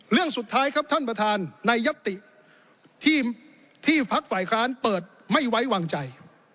เรื่องสุดท้ายครับท่านประธานในยัตติที่พักฝ่ายค้านเปิดไม่ไว้วางใจ